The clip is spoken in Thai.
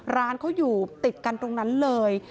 ร้านเขาอยู่ติดกันตรงนั้นเลย